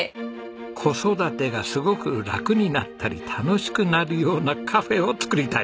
子育てがすごくラクになったり楽しくなるようなカフェを作りたい。